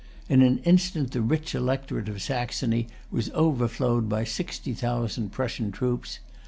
In an instant the rich electorate of Saxony was overflowed by sixty thousand Prussian troops.